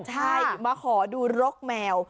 ใช่มาขอดูรกแมว